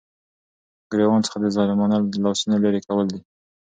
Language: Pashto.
ګريوان څخه دظالمانو دلاسونو ليري كول دي ،